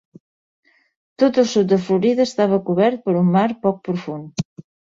Tot el sud de Florida estava cobert per un mar poc profund.